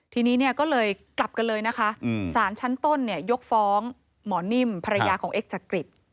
ทีนี้เนี่ยก็เลยกลับกันเลยนะคะสารชั้นต้นยกฟ้องหมอนิ่มภรรยาของเอ็กจักริต